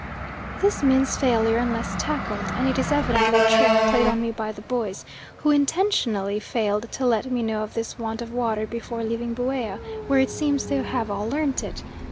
This means failure unless tackled, and it is evidently a trick played on me by the boys, who intentionally failed to let me know of this want of water before leaving Buea, where it seems they have all learnt it.